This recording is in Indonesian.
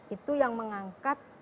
itu yang mengangkat